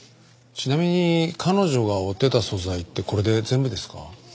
ちなみに彼女が追ってた素材ってこれで全部ですか？